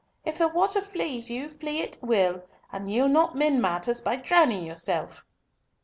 If the water flees you, flee it will, and ye'll not mend matters by drowning yourself."